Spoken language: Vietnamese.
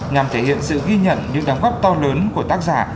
nhằm thể hiện sự ghi nhận những đóng góp to lớn của tác giả